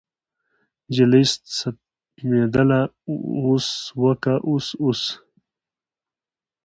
نجلۍ ستمېدله اوس وکه اوس اوس اوس.